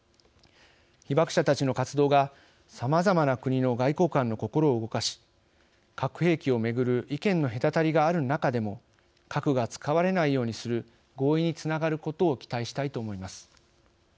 被爆者たちの活動がさまざまな国の外交官の心を動かし核兵器を巡る意見の隔たりがある中でも核が使われないようにする合意につながることを期待したいと思います。